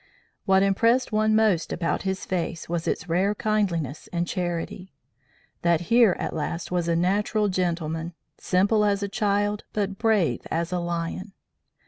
What impressed one most about his face was its rare kindliness and charity that here, at last, was a natural gentleman, simple as a child but brave as a lion.